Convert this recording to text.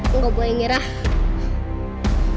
enggak boleh ngerah